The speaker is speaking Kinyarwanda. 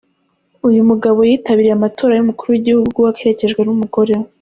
Uyu mugabo yitaribiye amatora y’umukuru w’igihugu aherekejwe n’umugore we.